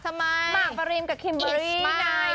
ทำไมอิสมากมากปะรีมกับคิมบอรี่ไง